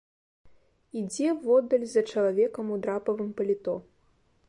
Ідзе воддаль за чалавекам у драпавым паліто.